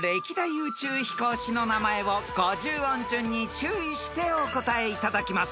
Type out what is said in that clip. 宇宙飛行士の名前を５０音順に注意してお答えいただきます］